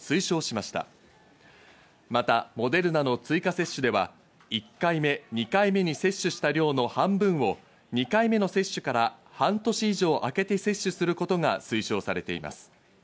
またモデルナの追加接種では、１回目、２回目に接種した量の半分を２回目の接種から半年以上あけて接種することが推奨されています。